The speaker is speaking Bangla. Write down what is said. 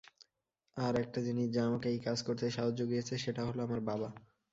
আর একটা জিনিস যা আমাকে এই কাজ করতে সাহস জুগিয়েছে সেটা হল আমার বাবা।